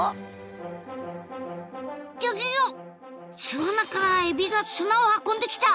巣穴からエビが砂を運んできた！